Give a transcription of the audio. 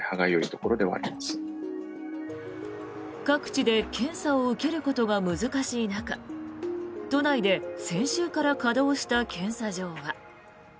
各地で検査を受けることが難しい中都内で先週から稼働した検査場は。